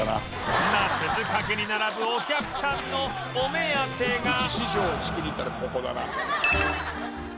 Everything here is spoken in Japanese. そんな鈴懸に並ぶお客さんのお目当てが